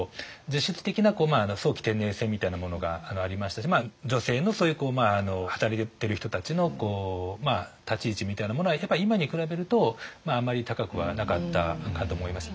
実質的な早期定年制みたいなものがありましたし女性のそういう働いてる人たちの立ち位置みたいなものはやっぱり今に比べるとあんまり高くはなかったかと思います。